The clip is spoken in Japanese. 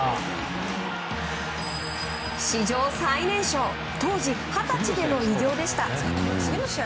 史上最年少当時二十歳での偉業でした。